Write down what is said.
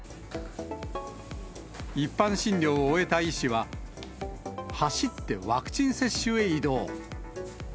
一般診療を終えた医師は、走ってワクチン接種へ移動。